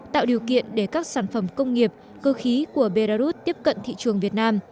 tạo điều kiện để các sản phẩm công nghiệp cơ khí của belarus tiếp cận thị trường việt nam